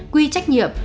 quy trách nhiệm